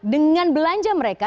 dengan belanja mereka